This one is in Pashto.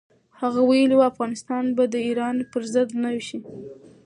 هغه ویلي و، افغانستان به د ایران پر ضد نه شي.